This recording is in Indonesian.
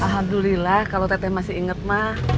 alhamdulillah kalau tete masih inget ma